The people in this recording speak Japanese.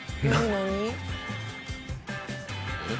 何？